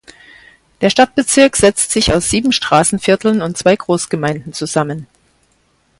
Der Stadtbezirk setzt sich aus sieben Straßenvierteln und zwei Großgemeinden zusammen.